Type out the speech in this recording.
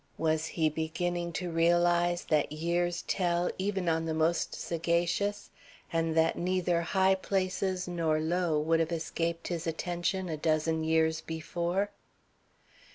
Was he beginning to realize that years tell even on the most sagacious, and that neither high places nor low would have escaped his attention a dozen years before?